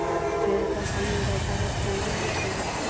آیا دا قانون د عدالت تامین نه کوي؟